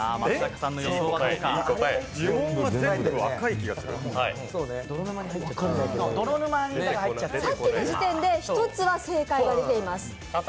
さっきの時点で一つ正解が出ています。